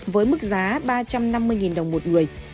với mức giá ba trăm năm mươi đồng một người